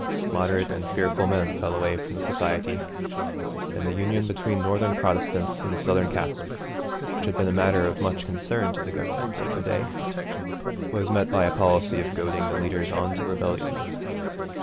Moderate and fearful men fell away from the Society, and the union between Northern Protestants and Southern Catholics, which had been a matter of much concern to the Government of the day, was met by a policy of goading the leaders on to rebellion.